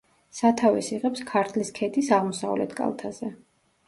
სათავეს იღებს ქართლის ქედის აღმოსავლეთ კალთაზე.